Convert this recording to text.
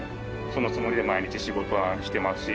そのつもりで毎日仕事はしてますし。